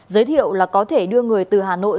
giới thiệu là có thể đưa người từ hà nội